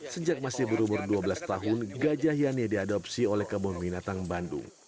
sejak masih berumur dua belas tahun gajah yani diadopsi oleh kebun binatang bandung